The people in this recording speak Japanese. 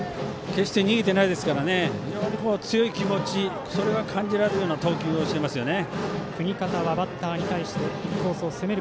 決して逃げてないですから非常に強い気持ちが感じられるような投球してますね。